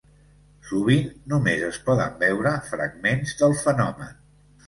Sovint només es poden veure fragments del fenomen.